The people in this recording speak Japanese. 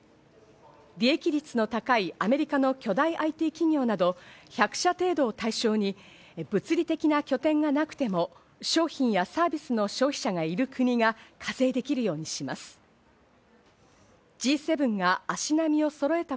利益率の高いアメリカの巨大ＩＴ企業など、１００社程度を対象に物理的な拠点がなくても、商品やサービスの消費者がいる国が課税できるようにします。